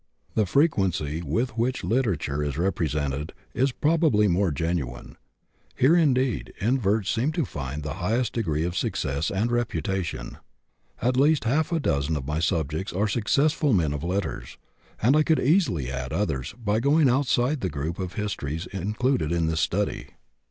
The frequency with which literature is represented is probably more genuine. Here, indeed, inverts seem to find the highest degree of success and reputation. At least half a dozen of my subjects are successful men of letters, and I could easily add others by going outside the group of Histories included in this study.